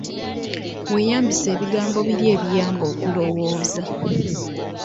Weeyambise ebigambo biri ebiyamba okulowooza.